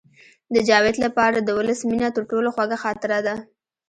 د جاوید لپاره د ولس مینه تر ټولو خوږه خاطره ده